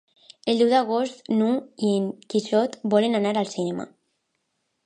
El deu d'agost n'Hug i en Quixot volen anar al cinema.